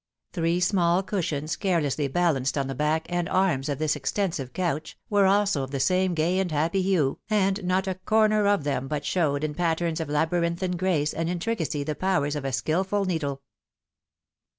Three small cushions, carelessly balanced on the back and arms of this extensive cojich, were also of the same gay^nd happy hue, and not a corner of them but showed in patterns of labyrinthine grace and intricacy the powers of a skilful needle.